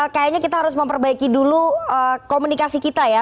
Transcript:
kayaknya kita harus memperbaiki dulu komunikasi kita ya